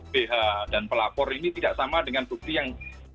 bh dan pelapor ini tidak sama dengan bukti yang